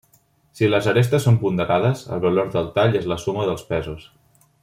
Si les arestes són ponderades, el valor del tall és la suma dels pesos.